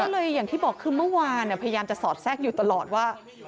ก็เลยอย่างที่บอกคือเมื่อวานพยายามจะสอดแทรกอยู่ตลอดว่า